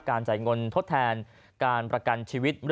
การจ่ายมนต์ทดแทนการประกันชีวิต